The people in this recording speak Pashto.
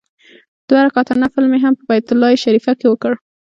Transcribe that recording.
دوه رکعاته نفل مې هم په بیت الله شریفه کې وکړ.